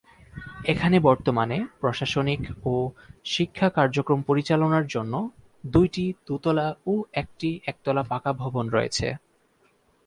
এখানে বর্তমানে প্রশাসনিক ও শিক্ষা কার্যক্রম পরিচালনার জন্য দুইটি দোতলা ও একটি একতলা পাকা ভবন রয়েছে।